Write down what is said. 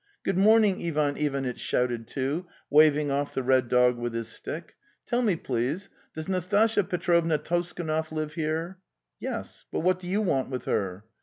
'"Good morning!"' Ivan Ivanitch shouted, too, waving off the red dog with his stick. '' Tell me, please, does Nastasya Petrovna Toskunov live here 2/7) "Yes! But what do you want with her?"